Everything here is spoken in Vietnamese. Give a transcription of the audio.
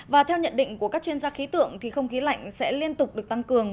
và theo nhận định của các chuyên gia khí tượng thì không khí lạnh sẽ liên tục được tăng cường